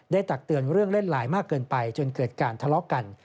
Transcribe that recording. ตักเตือนเรื่องเล่นไลน์มากเกินไปจนเกิดการทะเลาะกัน